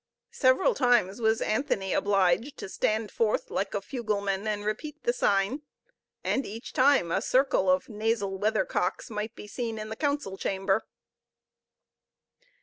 Several times was Anthony obliged to stand forth like a fugleman and repeat the sign, and each time a circle of nasal weathercocks might be seen in the council chamber.